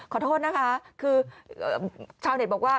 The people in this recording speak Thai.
ขอโทษนะคะคือชาวเน็ตบอกว่า